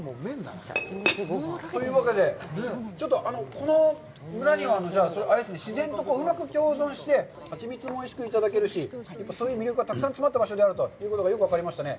というわけで、この村には、自然とうまく共存して、ハチミツもおいしくいただけるし、そういう魅力がたくさん詰まった場所であるということがよく分かりましたね。